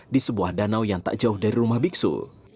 di sebuah danau yang tak jauh dari rumah biksu